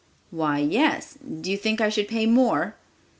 "Why, yes. Do you think I should pay more?"